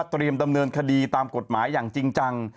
ดำเนินคดีตามกฎหมายอย่างจริงจัง